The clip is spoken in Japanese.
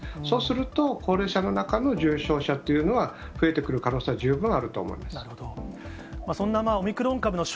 そうすると、高齢者の中の重症者というのは、増えてくる可能性は十分あると思なるほど。